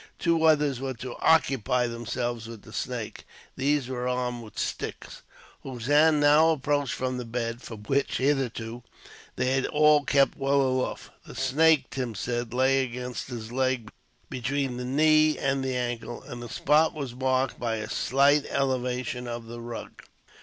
Two others were to occupy themselves with the snake. These were armed with sticks. Hossein now approached the bed, from which, hitherto, they had all kept well aloof. The snake, Tim said, lay against his leg, between the knee and the ankle, and the spot was marked by a slight elevation of the rug.